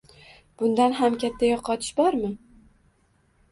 — bundan ham katta yo‘qotish bormi?